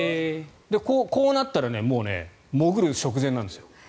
こうなったらもう潜る直前なんです。